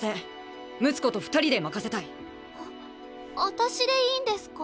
私でいいんですか？